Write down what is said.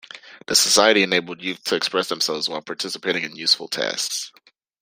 The Society enabled youth to express themselves while participating in useful tasks.